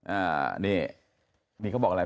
อ่านี่นี่เขาบอกอะไร